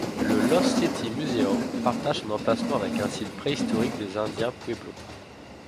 Le Lost City Museum partage son emplacement avec un site préhistorique des indiens Pueblo.